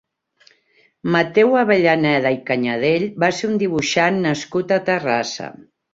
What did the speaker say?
Mateu Avellaneda i Canyadell va ser un dibuixant nascut a Terrassa.